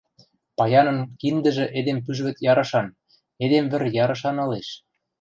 – Паянын киндӹжӹ эдем пӱжвӹд ярышан, эдем вӹр ярышан ылеш...